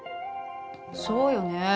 そうよね。